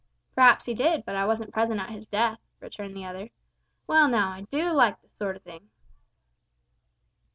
"Perhaps he did, but I wasn't present at his death," returned the other. "Well, now, I do like this sort o' thing."